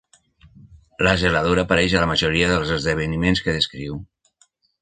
La zeladora apareix a la majoria dels esdeveniments que descriu.